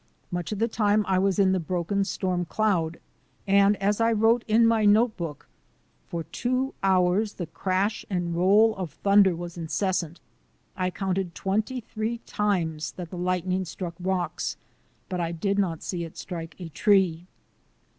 Much of the time I was in the broken storm cloud, and, as I wrote in my notebook, "For two hours the crash and roll of thunder was incessant. I counted twenty three times that the lightning struck rocks, but I did not see it strike a tree."